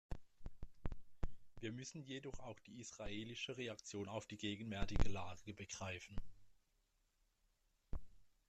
Wir müssen jedoch auch die israelische Reaktion auf die gegenwärtige Lage begreifen.